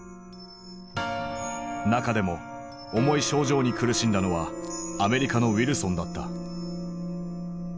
中でも重い症状に苦しんだのはアメリカのウィルソンだった。